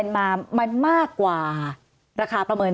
สวัสดีครับทุกคน